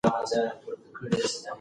موږ د غنمو لو کوو